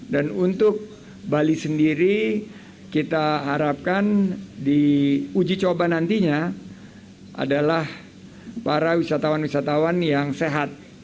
dan untuk bali sendiri kita harapkan di uji coba nantinya adalah para wisatawan wisatawan yang sehat